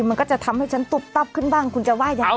มันก็จะทำให้ฉันตุ๊บตับขึ้นบ้างคุณจะว่ายังไง